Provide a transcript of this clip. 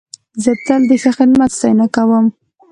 زه تل د ښه خدمت ستاینه کوم.